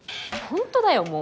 本当だよ